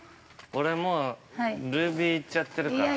◆俺、もう、ルービーいっちゃってるから。